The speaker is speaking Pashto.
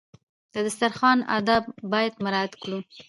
د دسترخوان آداب باید مراعات کړو.